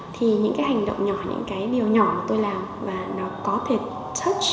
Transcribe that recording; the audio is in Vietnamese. thì những cái hành động nhỏ những cái điều nhỏ mà tôi làm và nó có thể touch